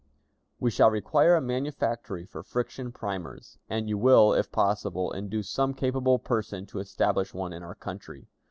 "We shall require a manufactory for friction primers, and you will, if possible, induce some capable person to establish one in our country.